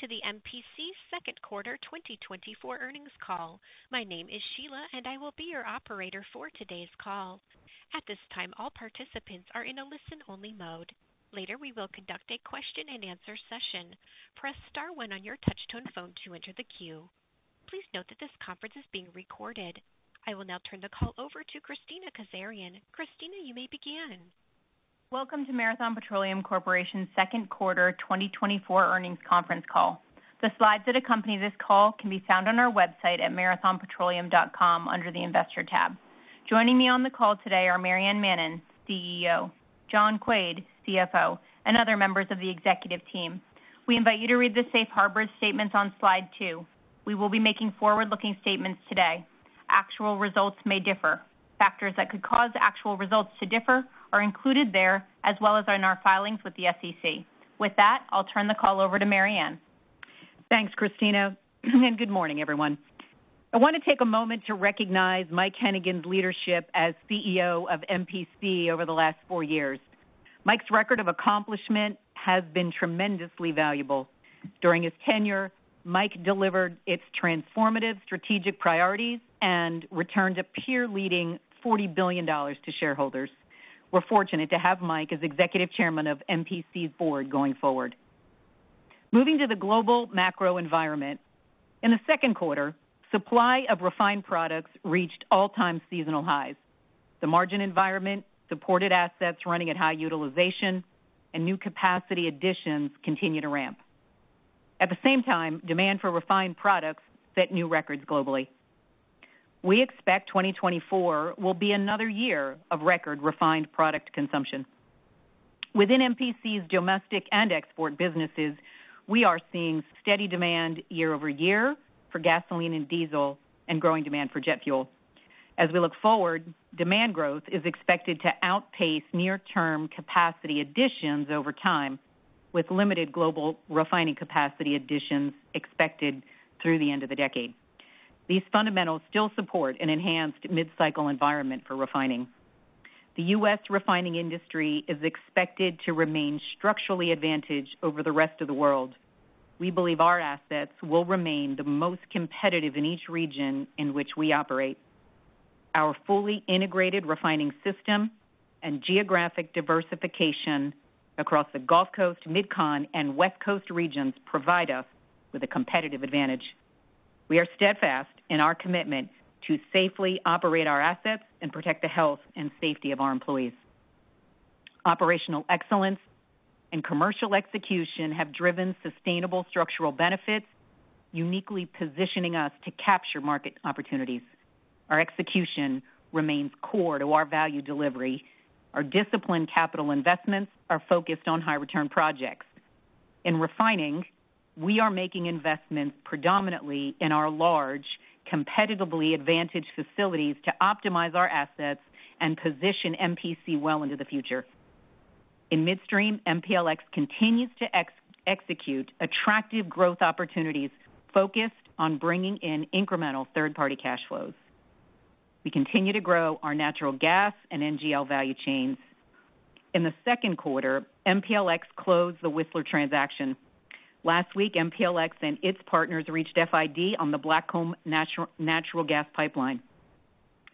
Welcome to MPC’s second quarter 2024 earnings call. My name is Sheila, and I will be your operator for today’s call. At this time, all participants are in a listen-only mode. Later, we will conduct a question-and-answer session. To enter the queue, press star one on your touchtone phone. Please note that this conference is being recorded. I will now turn the call over to Kristina Kazarian. Kristina, you may begin. Welcome to Marathon Petroleum Corporation’s second quarter 2024 earnings conference call. The slides that accompany this call can be found on our website at marathonpetroleum.com under the Investor tab. Joining me on the call today are Maryann Mannen, Chief Executive Officer, John Quade, Chief Financial Officer, and other members of the executive team. We invite you to read the safe harbor statements on Slide 2. We will be making forward-looking statements today. Actual results may differ. Factors that could cause actual results to differ are included there, as well as in our filings with the SEC. With that, I’ll turn the call over to Maryann. Thanks, Kristina, and good morning, everyone. I want to take a moment to recognize Mike Hennigan’s leadership as CEO of MPC over the last four years. Mike’s record of accomplishment has been tremendously valuable, and during his tenure, he delivered transformative strategic priorities and returned a peer-leading $40 billion to shareholders. We’re fortunate to have Mike as Executive Chairman of MPC’s board going forward. Turning to the global macro environment, in Q2, supply of refined products reached all-time seasonal highs, with the margin environment supporting assets running at high utilization as new capacity additions continue to ramp. At the same time, demand for refined products set new records globally, and we expect 2024 will be another year of record refined product consumption. Within MPC’s domestic and export businesses, we are seeing steady year-over-year demand for gasoline and diesel, along with growing demand for jet fuel. As we look forward, demand growth is expected to outpace near-term capacity additions over time, with limited global refining capacity additions expected through the end of the decade. These fundamentals continue to support an enhanced mid-cycle environment for refining, and the US refining industry is expected to remain structurally advantaged relative to the rest of the world. We believe our assets will remain the most competitive in each region in which we operate, with our fully integrated refining system and geographic diversification across the Gulf Coast, MidCon, and West Coast regions providing a competitive advantage. We remain steadfast in our commitment to safely operate our assets and protect the health and safety of our employees. Operational excellence and commercial execution have driven sustainable structural benefits, uniquely positioning us to capture market opportunities, while disciplined capital investments focused on high-return projects remain core to our value delivery. In refining, we are making investments predominantly in our large, competitively advantaged facilities to optimize our assets and position MPC well into the future. In midstream, MPLX continues to execute attractive growth opportunities focused on generating incremental third-party cash flows, while we continue to grow our natural gas and NGL value chains. In Q2, MPLX closed the Whistler transaction, and last week, MPLX and its partners reached FID on the Blackcomb Natural Gas Pipeline.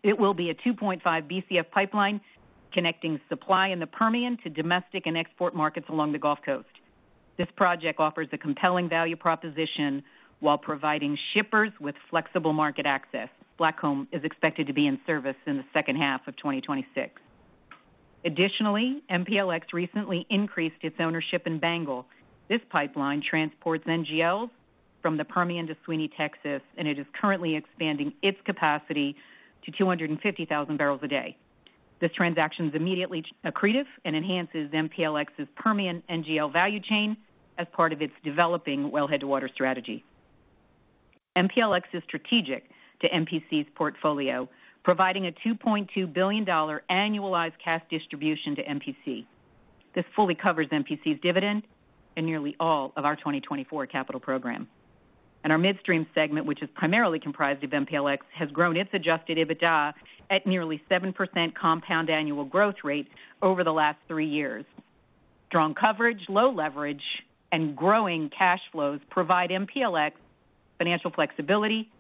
This will be a 2.5Bcf pipeline connecting supply in the Permian to domestic and export markets along the Gulf Coast, offering a compelling value proposition while providing shippers with flexible market access. Blackcomb is expected to be in service in the second half of 2026. Additionally, MPLX recently increased its ownership in BANGL. This pipeline transports NGLs from the Permian to Sweeny, Texas, and is currently expanding its capacity to 250,000bpd. This transaction is immediately accretive and enhances MPLX’s Permian NGL value chain as part of its developing wellhead-to-water strategy. MPLX is strategic to MPC’s portfolio, providing a $2.2 billion annualized cash distribution to MPC, which fully covers MPC’s dividend and nearly all of our 2024 capital program. Our midstream segment, which is primarily comprised of MPLX, has grown its adjusted EBITDA at nearly a 7% compound annual growth rate over the last three years. Strong coverage, low leverage, and growing cash flows provide MPLX with financial flexibility,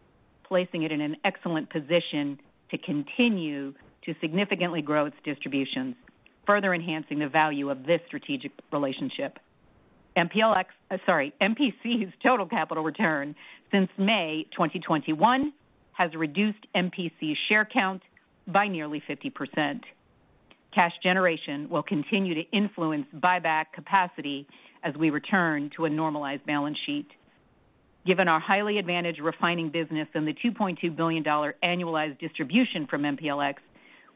placing it in an excellent position to continue to significantly grow its distributions and further enhance the value of this strategic relationship. MPC’s total capital return since May 2021 has reduced MPC’s share count by nearly 50%. Cash generation will continue to influence buyback capacity as we return to a normalized balance sheet, and given our highly advantaged refining business and the $2.2 billion annualized distribution from MPLX,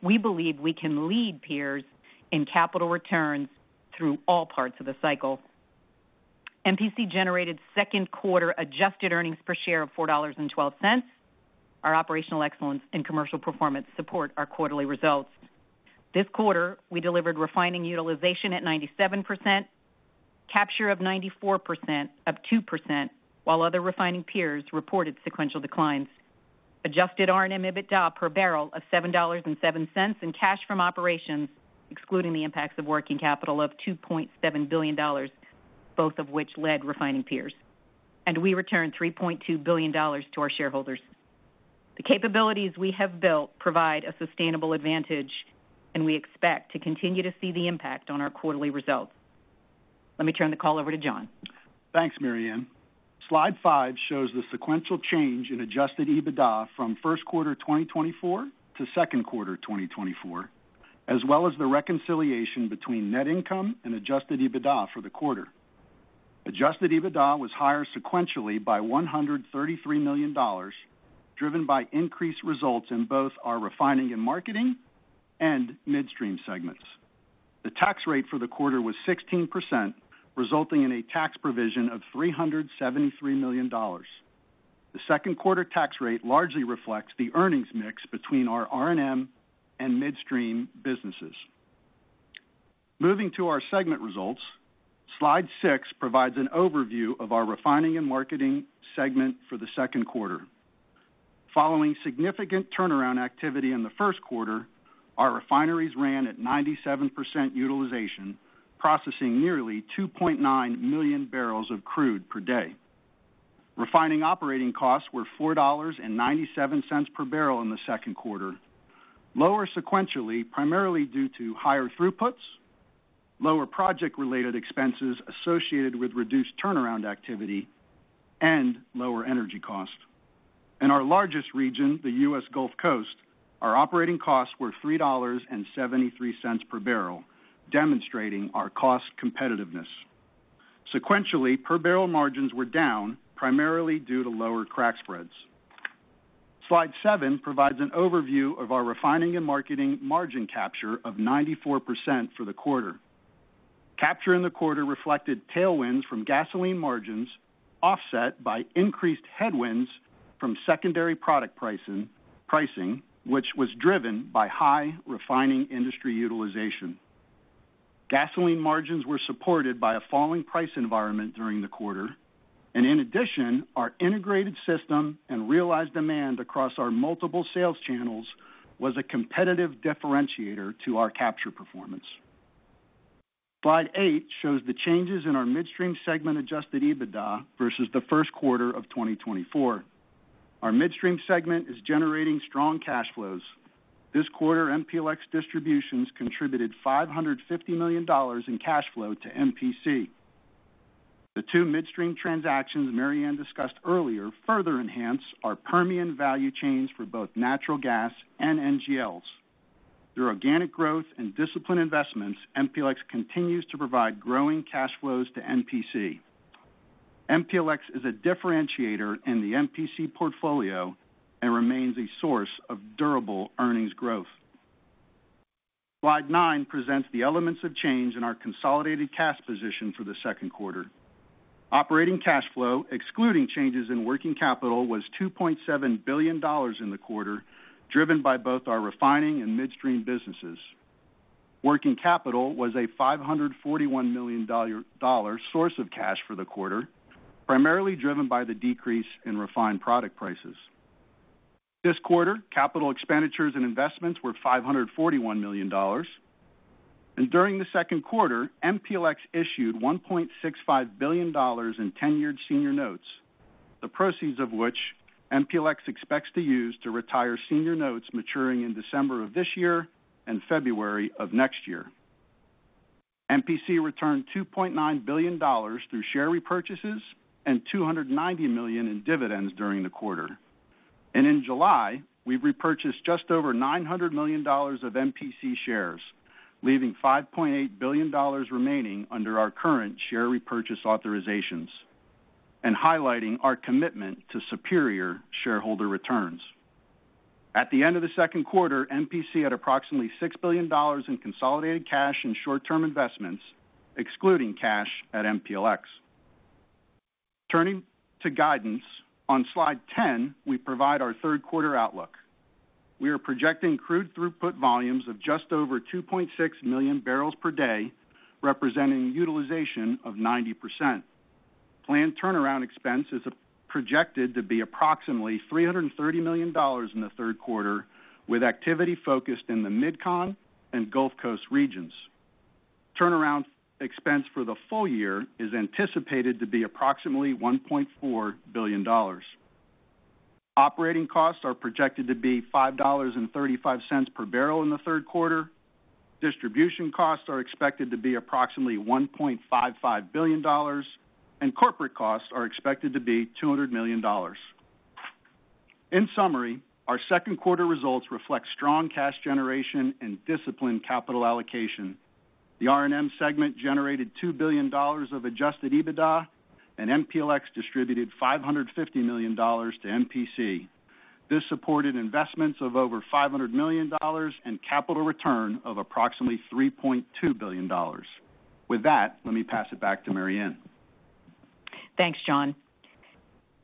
we believe we can lead peers in capital returns through all parts of the cycle. MPC generated second quarter adjusted earnings per share of $4.12, with operational excellence and strong commercial performance supporting our quarterly results. This quarter, we delivered refining utilization of 97% and capture of 94%, up 2%, while other refining peers reported sequential declines. Adjusted R&M EBITDA per barrel of $7.07 and cash from operations, excluding the impacts of working capital, of $2.7 billion both led refining peers. We returned $3.2 billion to our shareholders this quarter. The capabilities we have built provide a sustainable advantage, and we expect to continue to see the impact on our quarterly results. With that, let me turn the call over to John. Thanks, Maryann. Slide 5 shows the sequential change in adjusted EBITDA from Q1 2024 to Q2 2024, as well as the reconciliation between net income and adjusted EBITDA for the quarter. Adjusted EBITDA increased sequentially by $133 million, driven by improved results in both our refining and marketing and midstream segments. The tax rate for the quarter was 16%, resulting in a tax provision of $373 million, which largely reflects the earnings mix between our refining and marketing and midstream businesses. Turning to our segment results, Slide 6 provides an overview of our refining and marketing segment for Q2, and following significant turnaround activity in Q1, our refineries ran at 97% utilization, processing nearly 2.9 million bpd of crude per day. Refining operating costs were $4.97 per barrel in Q2, lower sequentially, primarily due to higher throughputs, lower project-related expenses associated with reduced turnaround activity, and lower energy costs. In our largest region, the US Gulf Coast, operating costs were $3.73 per barrel, demonstrating our cost competitiveness. Sequentially, per-barrel margins declined, primarily due to lower crack spreads. Slide 7 provides an overview of our refining and marketing margin capture of 94% for the quarter, which reflected tailwinds from gasoline margins, offset by increased headwinds from secondary product pricing driven by high refining industry utilization. Gasoline margins were supported by a falling price environment during the quarter, and our integrated system and realized demand across our multiple sales channels were competitive differentiators to our capture performance. Slide 8 shows the changes in our midstream segment adjusted EBITDA versus Q1 2024. Our midstream segment is generating strong cash flows, with MPLX distributions contributing $550 million in cash flow to MPC this quarter. The two midstream transactions Maryann discussed earlier further enhance our Permian value chains for both natural gas and NGLs, and through organic growth and disciplined investments, MPLX continues to provide growing cash flows to MPC. MPLX is a differentiator in the MPC portfolio and remains a source of durable earnings growth. Slide 9 presents the elements of change in our consolidated cash position for Q2, with operating cash flow, excluding changes in working capital, of $2.7 billion, driven by both our refining and midstream businesses. Working capital was a $541 million source of cash for the quarter, primarily driven by a decrease in refined product prices. Capital expenditures and investments totaled $541 million, and during Q2, MPLX issued $1.65 billion in tenured senior notes, the proceeds of which MPLX expects to use to retire senior notes maturing in December of this year and February of next year. MPC returned $2.9 billion through share repurchases and $290 million in dividends during the quarter, and in July, we repurchased just over $900 million of MPC shares, leaving $5.8 billion remaining under our current share repurchase authorizations and highlighting our commitment to superior shareholder returns.. At the end of Q2, MPC had approximately $6 billion in consolidated cash and short-term investments, excluding cash at MPLX. Turning to guidance, Slide 10 provides our Q3 outlook, with projected crude throughput volumes of just over 2.6 million bpd, representing utilization of 90%. Planned turnaround expense is projected to be approximately $330 million in Q3, with activity focused in the MidCon and Gulf Coast regions, and full-year turnaround expense is anticipated to be approximately $1.4 billion. Operating costs are projected to be $5.35 per barrel in Q3, while distribution costs are expected to be approximately $1.55 billion and corporate costs are expected to be $200 million. In summary, our Q2 results reflect strong cash generation and disciplined capital allocation. The refining and marketing segment generated $2 billion of adjusted EBITDA, and MPLX distributed $550 million to MPC, supporting investments of over $500 million and capital returns of approximately $3.2 billion. With that, let me pass it back to Maryann. Thanks, John.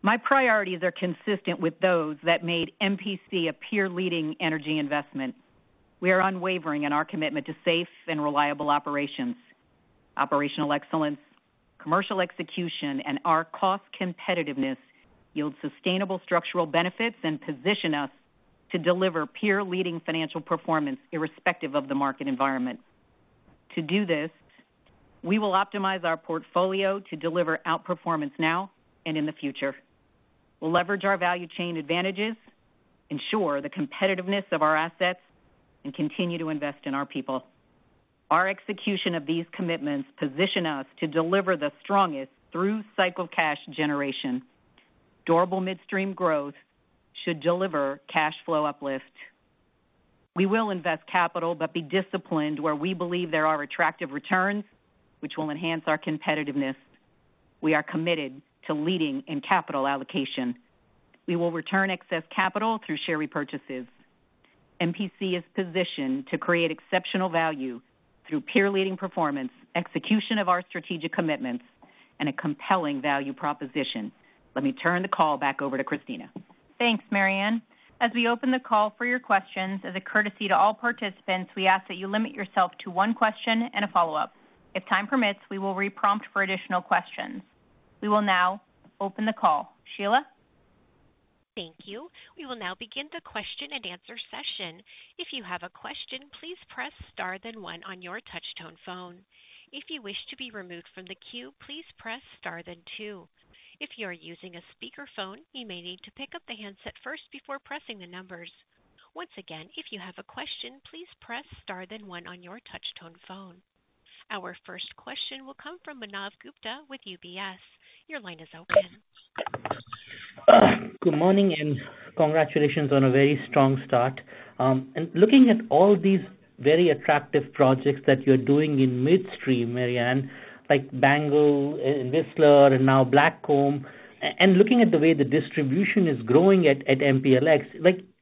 My priorities align with those that have made MPC a peer-leading energy investment. We remain unwavering in our commitment to safe and reliable operations, and operational excellence, commercial execution, and cost competitiveness create sustainable structural advantages that position us to deliver peer-leading financial performance regardless of market conditions. We will optimize our portfolio to deliver outperformance now and in the future, leverage our value chain advantages, ensure the competitiveness of our assets, and continue investing in our people. Executing on these commitments positions us to deliver the strongest through-cycle cash generation, supported by durable midstream growth and disciplined capital investment in opportunities with attractive returns. We are committed to leading in capital allocation and will return excess capital to shareholders through share repurchases. MPC is positioned to create exceptional value through peer-leading performance, disciplined execution of our strategic commitments, and a compelling value proposition. I will now turn the call back over to Kristina. Thanks, Maryann. As we open the call for questions, we ask, as a courtesy to all participants, that each person limit themselves to one question and one follow-up. If time permits, we will re-prompt for additional questions. We will now open the call. Sheila? Thank you. We will now begin the question-and-answer session. If you have a question, please press star then 1 on your touchtone phone. To be removed from the queue, press star then 2. If you are using a speakerphone, you may need to pick up the handset before pressing the numbers. Once again, if you have a question, please press star then 1 on your touchtone phone. Our first question will come from Manav Gupta with UBS. Your line is open. Good morning, and congratulations on a very strong start. Looking at the attractive midstream projects you are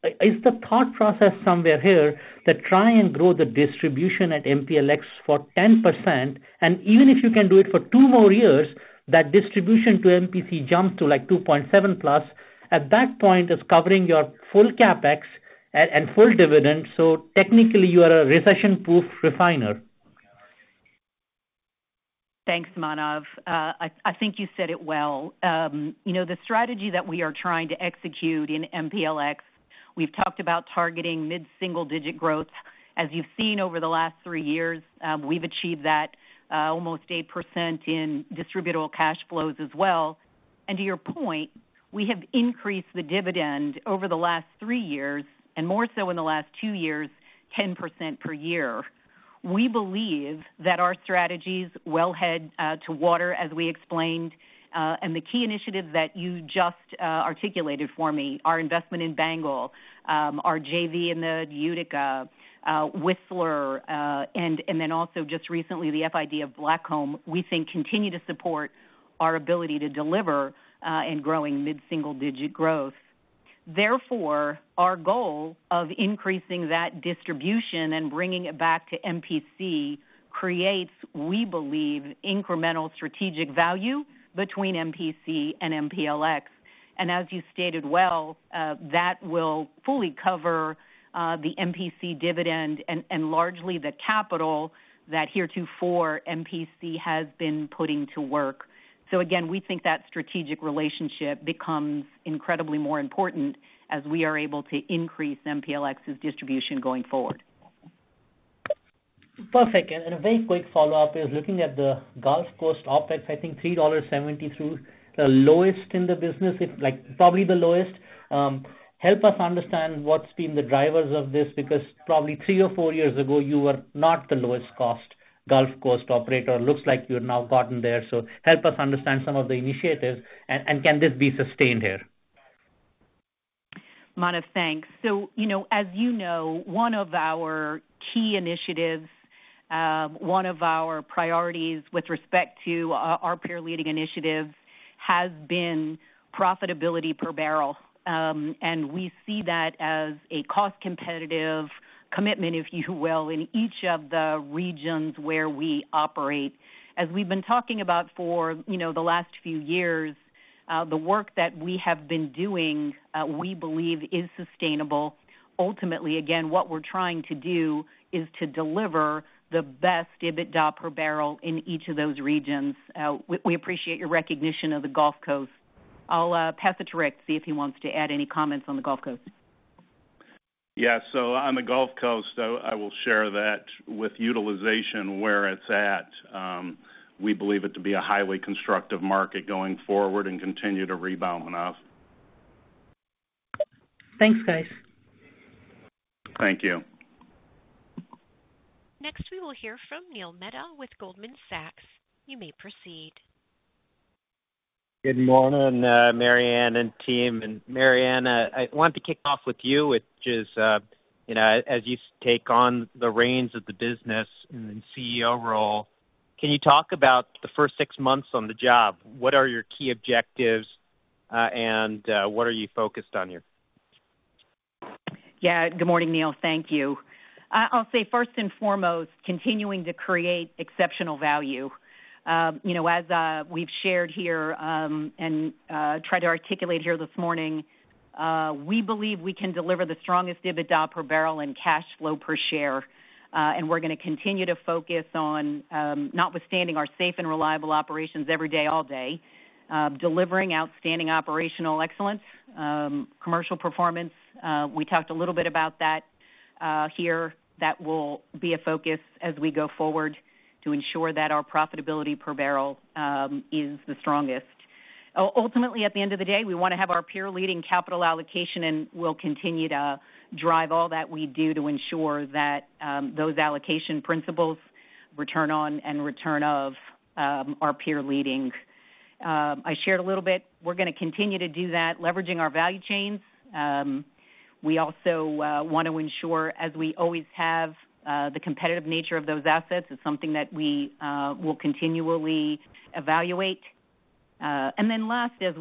executing, Maryann—such as BANGL, Whistler, and now Blackcomb—and considering the growth of the distribution at MPLX, is there a thought process to grow the MPLX distribution by 10%? Even sustaining that growth for two more years could increase the distribution to MPC to approximately 2.7+, at which point it would cover your full CapEx and dividend, effectively making you a recession-proof refiner. Thanks, Manav. I think you summarized it well. The strategy we are executing at MPLX targets mid-single-digit growth. As you’ve seen over the past three years, we have achieved that, with nearly 8% growth in distributable cash flow. To your point, we have increased the dividend over the last three years, and particularly over the last two years, by 10% per year. We believe our wellhead-to-water strategy, along with the key initiatives you just mentioned—our investment in BANGL, our JV in the Utica, Whistler, and, most recently, the FID of Blackcomb—continues to support our ability to deliver mid-single-digit growth. Therefore, our goal of increasing that distribution and returning it to MPC creates, we believe, incremental strategic value between MPC and MPLX. As you noted, this would fully cover the MPC dividend and largely the capital that MPC has historically deployed. We believe this strategic relationship becomes increasingly important as we are able to grow MPLX’s distribution going forward. Perfect. A quick follow-up: looking at the Gulf Coast OpEx of $3.72, which appears to be the lowest in the business, can you help us understand the drivers behind this improvement? Three or four years ago, MPC was not the lowest-cost Gulf Coast operator. What initiatives contributed to this achievement, and is this level of efficiency sustainable going forward? Manav, thanks. One of our key initiatives and priorities has been profitability per barrel, which we view as a core element of our cost-competitive commitment across all regions where we operate. As we have discussed over the past few years, the work we have undertaken is sustainable. Ultimately, our goal is to deliver the best EBITDA per barrel in each region. We appreciate your recognition of the Gulf Coast. I’ll pass it to Rick to see if he wants to add any additional comments on the Gulf Coast. On the Gulf Coast, utilization is at a strong level. We believe it is a highly constructive market going forward and expect it to continue rebounding, Manav. Thanks, guys. Thank you. Next, we will hear from Neil Mehta with Goldman Sachs. You may proceed. Good morning, Maryann and team. Maryann, as you take on the CEO role, can you share your perspective on your first six months on the job? What are your key objectives, and what areas are you focused on? Good morning, Neil. Thank you. First and foremost, our focus remains on creating exceptional value. As we have shared and discussed this morning, we believe we can deliver the strongest EBITDA per barrel and cash flow per share. Alongside our commitment to safe and reliable operations, we will continue to prioritize operational excellence and commercial performance, ensuring that our profitability per barrel remains best in class. Ultimately, our goal is to maintain peer-leading capital allocation, guided by principles of return on and return of capital, and we will continue to drive all our actions to uphold these standards. I shared a few points, and we will continue to build on them by leveraging our value chains. We also remain committed to ensuring the competitiveness of our assets, which we will continually evaluate. Additionally, as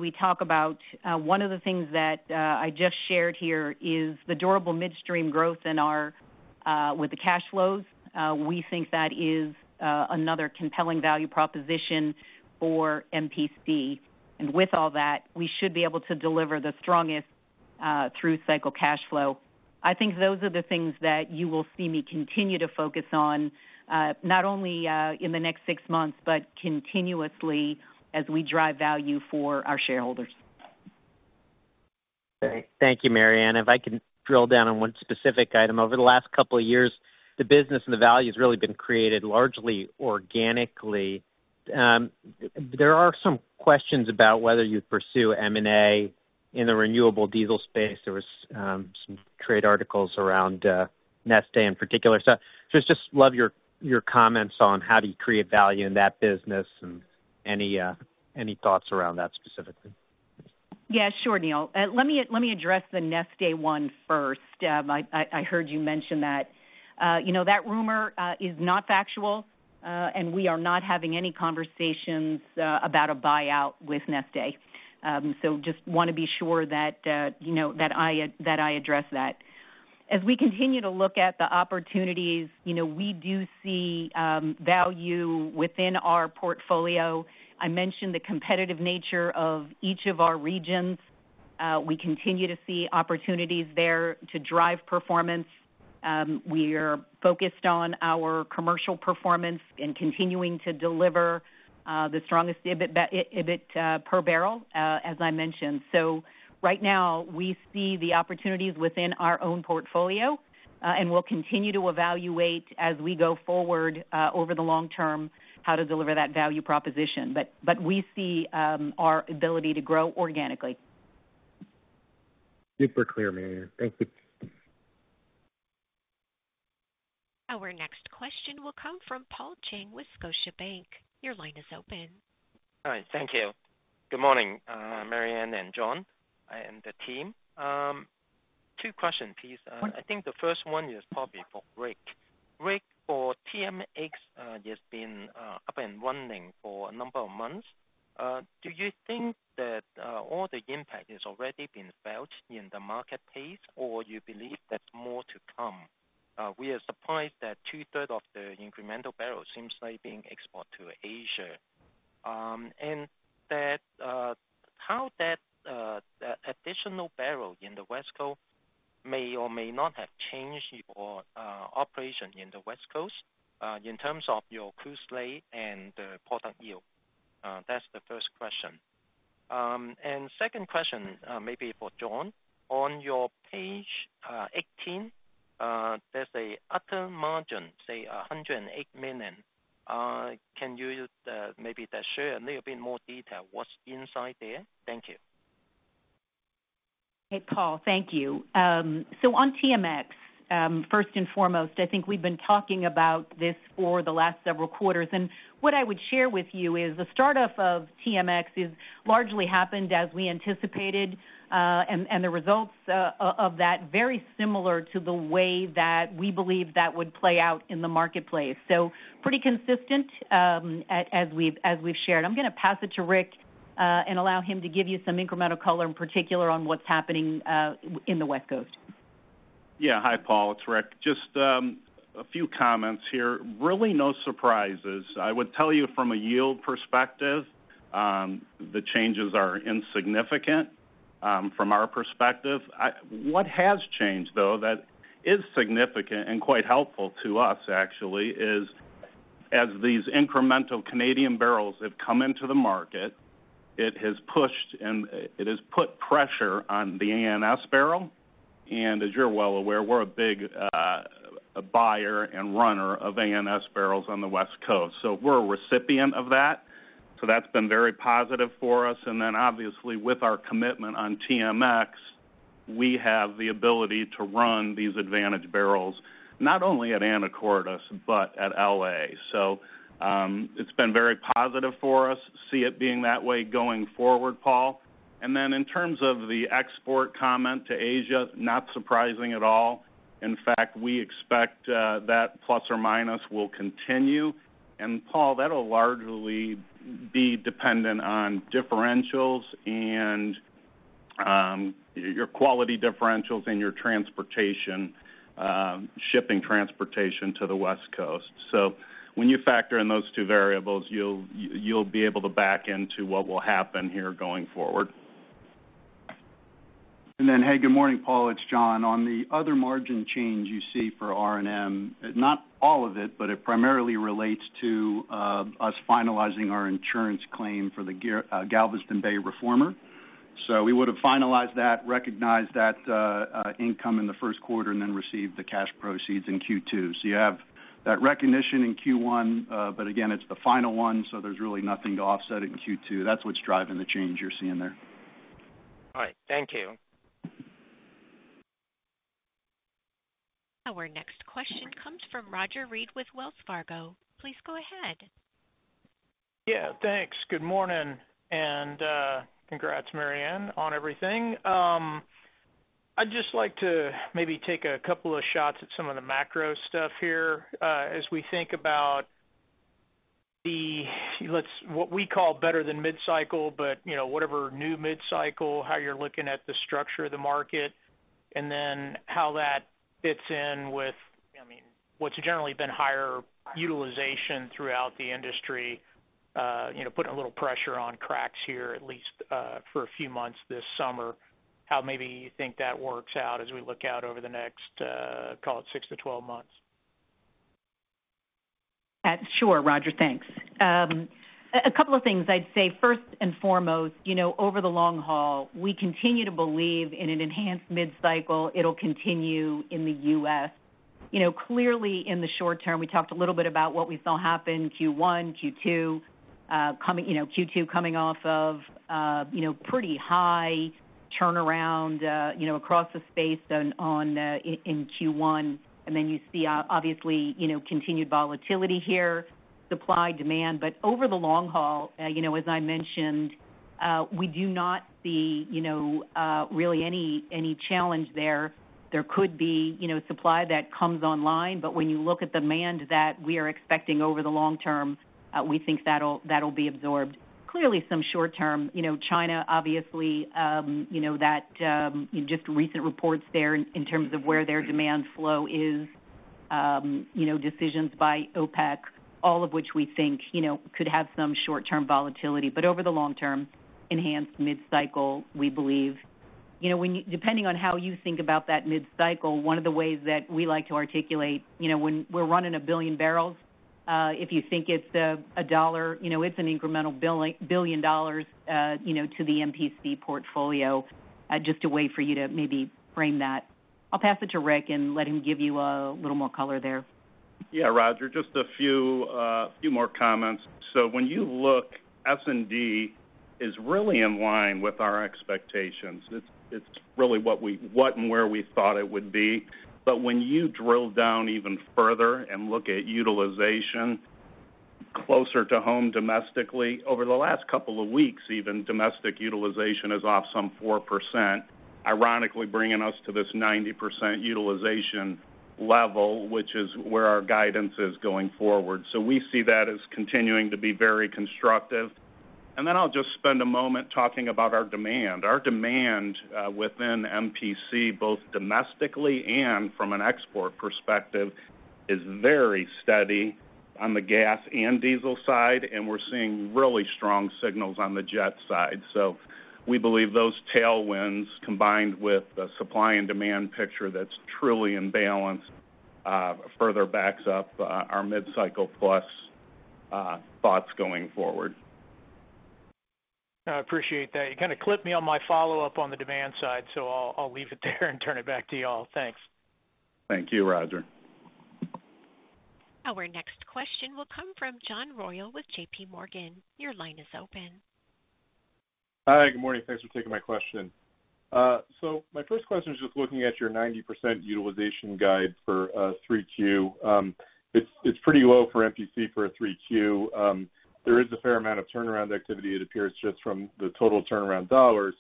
I mentioned earlier, durable midstream growth and the associated cash flows represent another compelling value proposition for MPC. Together, these initiatives position us to deliver the strongest through-cycle cash flow. These are the areas you will see me focus on—not only over the next six months but continuously as we drive value for our shareholders. Thank you, Maryann. If I may, I’d like to drill down on one specific topic. Over the past couple of years, the business has created significant value largely through organic growth. There have been questions regarding potential M&A activity in the renewable diesel space, with some trade articles referencing Neste in particular. Could you share your perspective on how you create value in that business and any thoughts specifically regarding M&A in this area? Yes, sure, Neil. Let me address the Neste point first. That rumor is not factual; we are not having any conversations about a buyout with Neste. I wanted to make that clear. As we continue to evaluate opportunities, we see value within our portfolio. As I mentioned earlier, the competitive nature of each of our regions presents ongoing opportunities to drive performance. Our focus remains on commercial performance and continuing to deliver the strongest EBIT per barrel. Right now, we see the opportunities within our own portfolio and will continue to evaluate, over the long term, how best to deliver that value proposition. We remain confident in our ability to grow organically. Super clear, Maryann. Thank you. Our next question will come from Paul Cheng with Scotiabank. Your line is open. All right. Thank you. Good morning, Maryann, John, and team. I have two questions. The first is likely for Rick regarding TMX, which has been operational for several months: do you believe the full impact has already been felt in the marketplace, or is there more to come? We were surprised that roughly two-thirds of the incremental barrels appear to be exported to Asia, and how has that additional volume on the West Coast affected your operations, particularly in terms of your crude slate and product yield? The second question may be for John: on page 18, the “other margin” line shows $108 million—could you provide some context on that? Can you maybe share a little bit more detail what's inside there? Thank you. Hey, Paul. Thank you. Regarding TMX, first and foremost, as we’ve discussed over the last several quarters, the start-up has largely proceeded as anticipated, and the results are consistent with how we expected them to play out in the marketplace. I will now pass it to Rick to provide additional insight, particularly on developments on the West Coast. Yeah. Hi, Paul, it’s Rick. A few comments here—really no surprises. From a yield perspective, the changes are insignificant. What has changed, however, and is quite beneficial, is that the incremental Canadian barrels entering the market have put pressure on the ANS barrel. As you know, we are a significant buyer and runner of ANS barrels on the West Coast, so this has been very positive for us. Additionally, with our TMX commitment, we can run these advantageous barrels not only at Anacortes but also in Los Angeles. Overall, this has been very positive, and we expect it to continue in this manner going forward. A Regarding the export to Asia, that is not surprising. In fact, we expect that pattern to continue, more or less. Paul, it will largely depend on differentials—both quality differentials and shipping/transportation to the West Coast. When you factor in those variables, you can reasonably anticipate how this will play out going forward. Good morning, Paul. It’s John. Regarding the “other margin” change you see for R&M, not all of it, but primarily, it relates to finalizing our insurance claim for the Galveston Bay reformer. We recognized that income in the first quarter and received the cash proceeds in Q2. So while the recognition occurred in Q1, this was the final settlement, meaning there is nothing to offset it in Q2. That is what is driving the change you are seeing. Thank you. Our next question comes from Roger Read with Wells Fargo. Please go ahead. Yeah, Thanks. Good morning, and congratulations, Maryann, on everything. I’d like to take a couple of shots at some of the macro trends. As we consider what we call “better than mid-cycle,” or the new mid-cycle, how are you viewing the market structure? How does that fit with generally higher utilization across the industry, which has put some pressure on cracks, at least for a few months this summer? How do you see this evolving over the next six to twelve months? Sure, Roger. Thanks. A couple of points. First and foremost, over the long term, we continue to believe in an enhanced mid-cycle in the U.S. In the short term, as we discussed, Q2 follows a period of high turnarounds in Q1, which affected the market. We also expect continued volatility in supply and demand. However, over the long term, we do not anticipate significant challenges. While new supply may come online, we believe expected demand will absorb it. Clearly, there may be some short-term volatility due to factors such as China’s recent demand trends and OPEC decisions. However, over the long term, we continue to believe in an enhanced mid-cycle. To frame it quantitatively, when running a billion barrels, each incremental dollar represents roughly $1 billion to the MPC portfolio. I’ll pass it to Rick to provide additional color. Yeah, Roger, just a few additional comments. Supply and demand are generally in line with our expectations. Looking closer at domestic utilization over the past couple of weeks, it is down about 4%, bringing us to roughly 90% utilization, which aligns with our guidance going forward. We view this as very constructive. Regarding demand, MPC is seeing steady consumption domestically and from exports for gas and diesel, with particularly strong signals on the jet fuel side. So we believe those tailwinds, combined with the supply and demand picture that's truly in balance, further backs up our mid-cycle plus thoughts going forward. I appreciate that. You kind of clipped me on my follow-up on the demand side, so I'll, I'll leave it there and turn it back to you all. Thanks. Thank you, Roger. Our next question will come from John Royall with JP Morgan. Your line is open. Hi, good morning. Thanks for taking my question. My first question relates to your 90% utilization guide for 3Q, which seems relatively low for MPC in this quarter. There appears to be a fair amount of turnaround activity based on total turnaround dollars.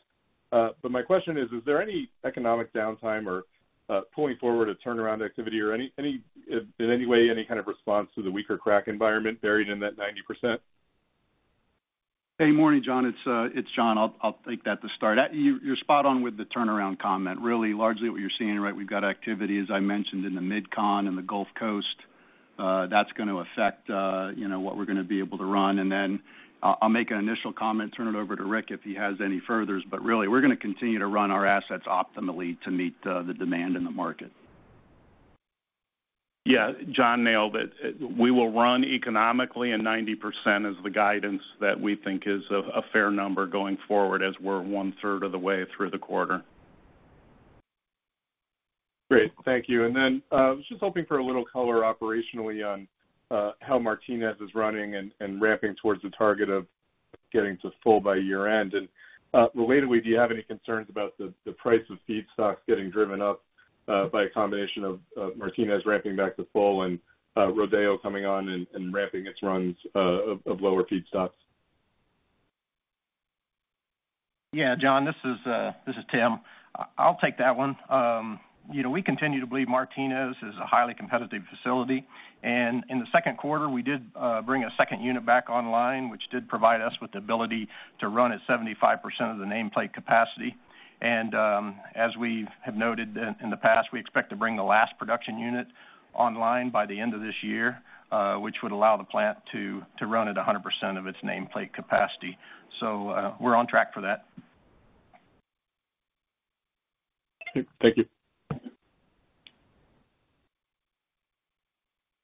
Is there any economic downtime, or have any turnaround activities been pulled forward, or is there any other response to the weaker crack environment factored into that 90%? Good morning, John. I’ll take that to start. You’re correct regarding the turnaround activity. As I mentioned, we have work underway in the MidCon and the Gulf Coast, which will impact what we are able to run. I’ll make an initial comment and then turn it over to Rick for any additional input. Our focus remains on running our assets optimally to meet market demand. Yes, John covered it well. We will operate economically, and 90% represents the guidance we believe is appropriate as we are roughly one-third of the way through the quarter. Great. Thank you. I was hoping to get some operational color on how Martinez is performing and progressing toward its target of reaching full capacity by year-end. Relatedly, do you have any concerns about feedstock prices being pushed higher due to Martinez ramping back to full and Rodeo coming online and increasing runs of lower-cost feedstocks? Yeah, John, this is, this is Tim. We continue to believe Martinez is a highly competitive facility. In the second quarter, we brought a second unit back online, enabling the plant to operate at roughly 75% of its nameplate capacity. As noted previously, we expect to bring the final production unit online by year-end, allowing Martinez to operate at 100% of its nameplate capacity. We are on track to achieve that goal. Okay, thank you.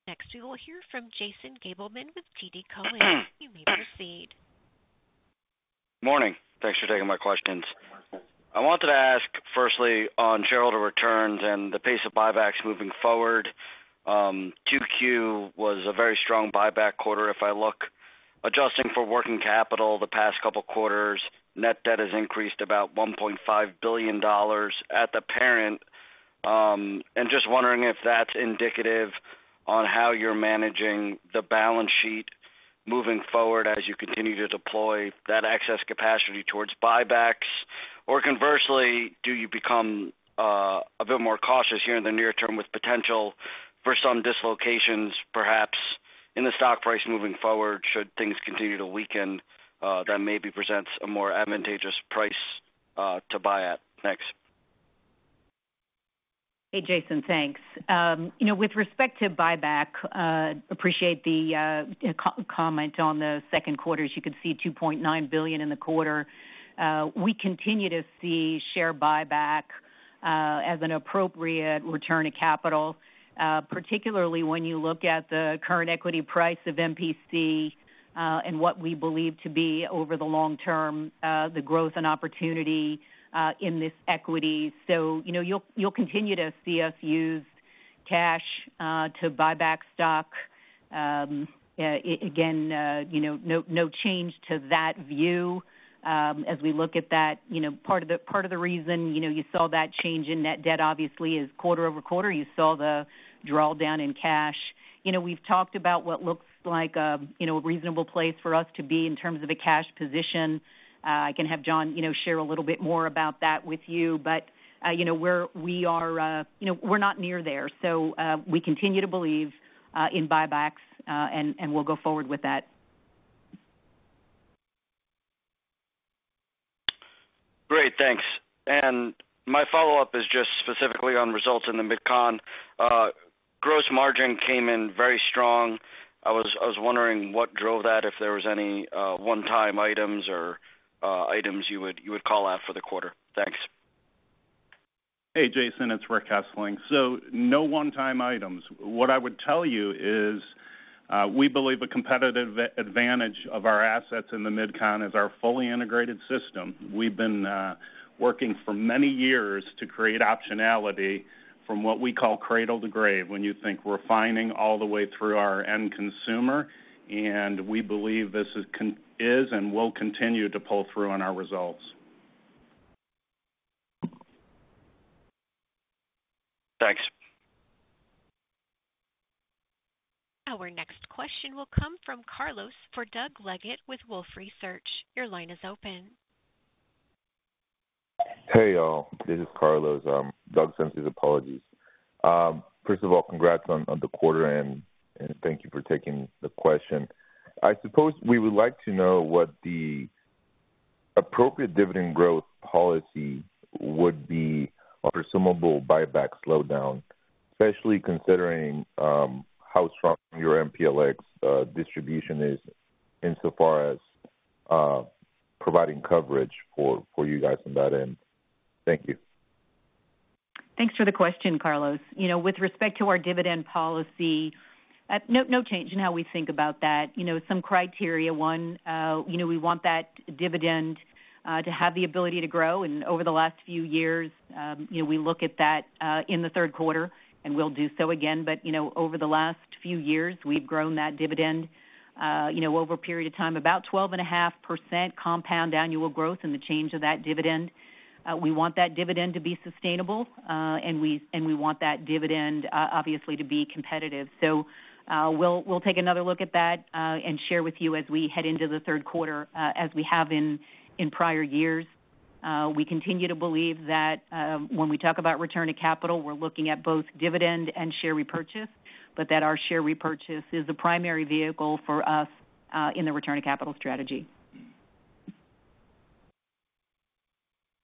Next, we will hear from Jason Gabelman with TD Cowen. You may proceed. Good morning. Thanks for taking my questions. My first question is on shareholder returns and the pace of buybacks going forward. Q2 was a very strong buyback quarter. Adjusting for working capital over the past couple of quarters, net debt at the parent has increased by approximately $1.5 billion. Is that indicative of how you plan to manage the balance sheet as you continue deploying excess capacity toward buybacks? Alternatively, might you take a more cautious approach in the near term, considering potential market dislocations or stock price movements that could create a more advantageous opportunity to buy back shares? Hey, Jason. Thanks. Regarding buybacks, we appreciate your comment on the second quarter, which totaled $2.9 billion. We continue to view share repurchases as an appropriate return of capital, particularly given MPC’s current equity price and the long-term growth opportunities we see in the business. You can expect us to continue using cash to buy back stock, with no change to that approach. The change in net debt quarter-over-quarter largely reflects the drawdown in cash. You know, We’ve discussed what we believe is a reasonable cash position. I’ll let John provide a bit more detail on that. That said, we are not near any limit, and we continue to believe in share buybacks as a key use of capital moving forward. Great, thanks. My follow-up is specifically on results in the MidCon. Gross margin came in very strong. Could you share what drove that performance and whether there were any one-time items or notable factors to call out for the quarter? Hey, Jason, it’s Rick Hessling. There were no one-time items this quarter. The strong results reflect the competitive advantage of our MidCon assets, which benefit from a fully integrated system. We have spent many years creating optionality from “cradle to grave,” from refining all the way through to the end consumer. We believe this integration continues to drive and will continue to drive strong results. Thanks. Our next question will come from Carlos for Doug Leggate with Wolfe Research. Your line is open. Hey, everyone. This is Carlos. Doug sends his apologies. First, congratulations on the quarter, and thank you for taking the question. We would like to understand what you view as an appropriate dividend growth policy in the event of a potential slowdown in buybacks, particularly given the strength of your MPLX distribution and its ability to provide coverage. Thank you.. Thanks for the question, Carlos. Regarding our dividend policy, there is no change in how we approach it. Our criteria remain the same: we want the dividend to be sustainable, competitive, and have the ability to grow. Over the last few years, we have increased the dividend at a compound annual growth rate of approximately 12.5%. As we do each year, we will review the dividend in the third quarter and provide an update, maintaining our focus on sustainability and competitiveness. We continue to believe that our return of capital strategy includes both dividends and share repurchases, with share repurchases serving as the primary vehicle for returning capital.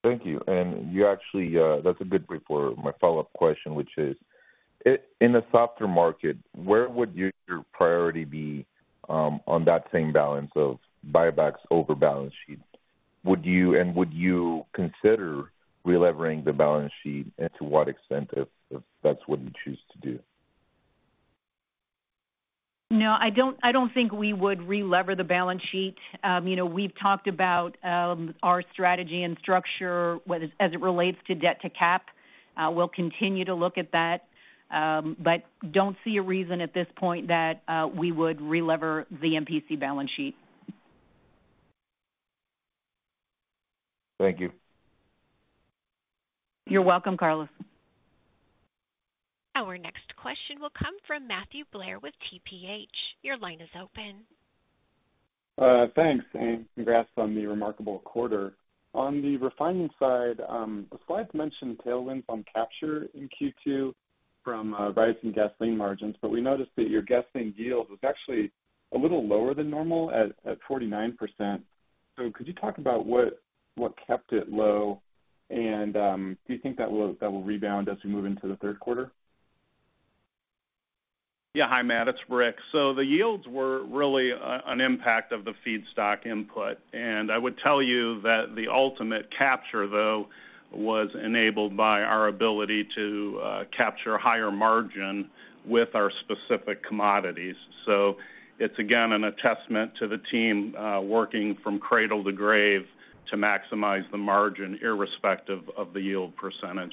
Thank you. That actually sets up my follow-up question. In a softer market, how would you prioritize the balance between share buybacks and managing the balance sheet? Would you consider increasing leverage, and if so, to what extent? No, I don’t believe we would relever the balance sheet. We’ve discussed our strategy and structure regarding debt-to-capital ratios, and we will continue to monitor that. At this point, however, we do not see a reason to increase leverage on the MPC balance sheet. Thank you. You're welcome, Carlos.... The next question will come from Matthew Blair with TPH. Your line is open. Thanks, and congratulations on a remarkable quarter. On the refining side, the slides mention tailwinds in Q2 from rising gasoline margins, but we noticed that your gasoline yield was slightly lower than normal at 49%. Could you explain what contributed to the lower yield, and do you expect it to rebound as we move into the third quarter? Hi, Matt, it’s Rick. The lower gasoline yields were primarily due to the feedstock inputs. However, the ultimate margin capture was enabled by our ability to optimize returns on our specific commodities. This reflects the team’s efforts from “cradle to grave” to maximize margin, regardless of the yield percentage.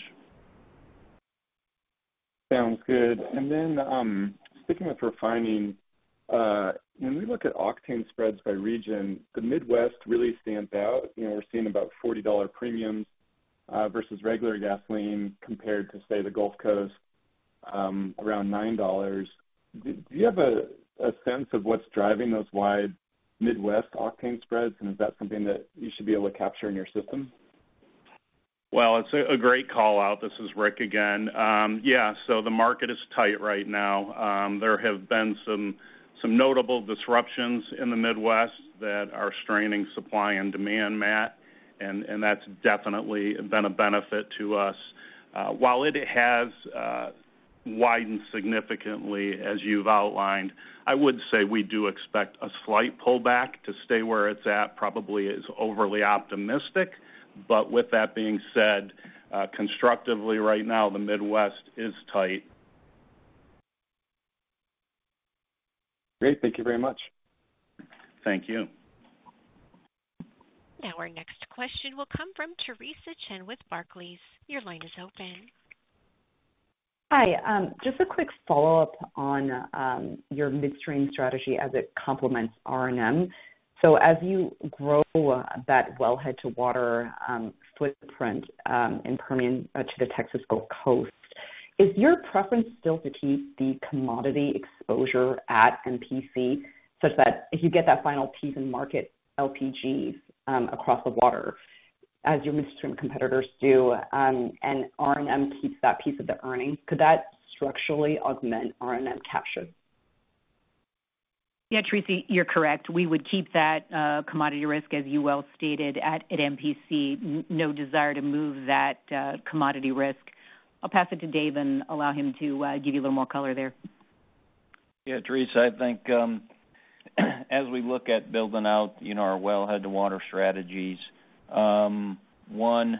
Sounds good. Sticking with refining, when we look at octane spreads by region, the Midwest really stands out. We’re seeing approximately a $40 premium versus regular gasoline, compared with around $9 in the Gulf Coast. Could you explain what is driving these wide Midwest octane spreads, and is that something MPC is able to capture in its system? All right, that’s a great call-out. This is Rick again. The market in the Midwest is currently tight, with notable disruptions affecting supply and demand, which has been beneficial for us. While the octane spreads have widened significantly, we do expect a slight pullback; assuming they remain at current levels would likely be overly optimistic. That said, the Midwest market remains constructively tight at this time. Great. Thank you very much. Thank you. Now, our next question will come from Theresa Chen with Barclays. Your line is open. Hi Hi, just a quick follow-up on your midstream strategy as it complements R&M. As you expand your wellhead-to-water footprint from the Permian to the Texas Gulf Coast, is your preference still to retain commodity exposure at MPC? For example, if you secure that final piece and market LPGs across the water, as some midstream competitors do, would R&M retain that portion of earnings, and could that structurally enhance R&M’s margin capture? Yes, Theresa, you are correct. We would retain that commodity risk at MPC, as you noted, with no intention of transferring it. I’ll pass it to Dave to provide some additional color. Yes, Theresa. As we continue to build out our wellhead-to-water strategies, one consideration is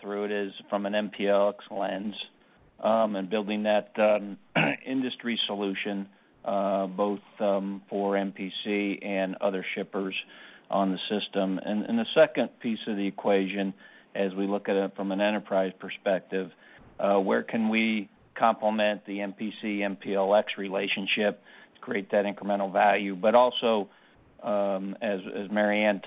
through the MPLX lens—creating an industry solution both for MPC and other shippers on the system. The second piece is looking at the enterprise perspective: how can we complement the MPC–MPLX relationship to create incremental value, while, as Maryann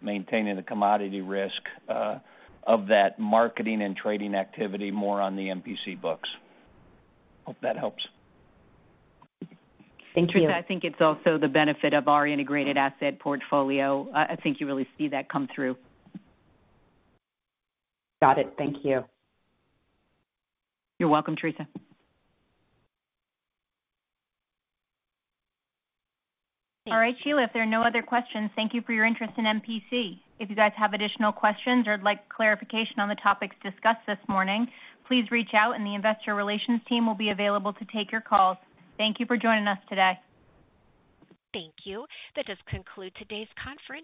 mentioned, keeping the commodity risk from marketing and trading activity on MPC’s books? I hope that helps. Thank you. Theresa, I think it's also the benefit of our integrated asset portfolio. I think you really see that come through. Got it. Thank you. You're welcome, Theresa. All All right, Sheila. If there are no further questions, thank you for your interest in MPC. If you have additional questions or would like clarification on any topics discussed this morning, please reach out to our investor relations team, who will be happy to assist. Thank you for joining us today. This concludes today’s conference.